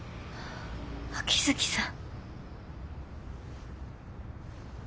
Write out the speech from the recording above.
秋月さん。